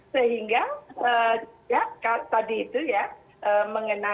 sehingga tadi itu ya